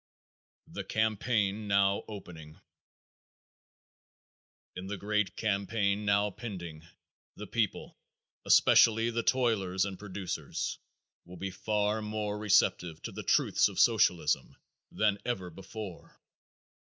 The Campaign Now Opening. In the great campaign now pending the people, especially the toilers and producers, will be far more receptive to the truths of Socialism than ever before.